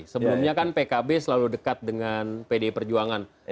sebelumnya kan pkb selalu dekat dengan pdi perjuangan